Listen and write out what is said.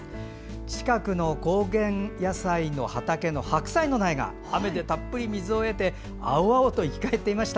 近くの高原野菜畑の白菜の苗が雨でたっぷり水を得て青々と生き返っていました。